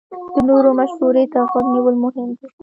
د نورو مشورې ته غوږ نیول مهم دي.